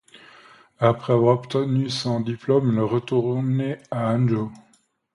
Après avoir obtenu son diplôme, il est retourné à Anjō.